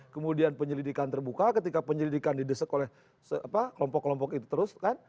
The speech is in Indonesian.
kemudian penyelidikan terbuka ketika penyelidikan didesek oleh kelompok kelompok itu terus kan